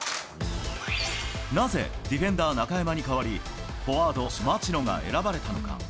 なぜディフェンダー、中山に代わり、フォワード、町野が選ばれたのか。